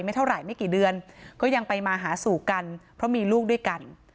เท่าไหร่ไม่กี่เดือนก็ยังไปมาหาสู่กันเพราะมีลูกด้วยกัน